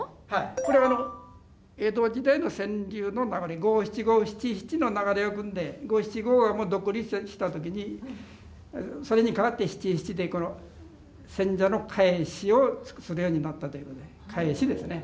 これ江戸時代の川柳の中に五七五七七の流れをくんで五七五が独立した時にそれにかわって七七でこの選者の返しをするようになったということで返しですね。